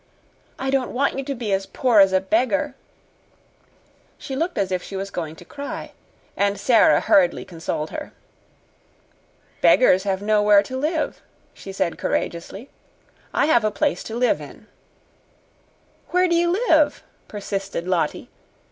"I don't want you to be as poor as a beggar." She looked as if she was going to cry. And Sara hurriedly consoled her. "Beggars have nowhere to live," she said courageously. "I have a place to live in." "Where do you live?" persisted Lottie.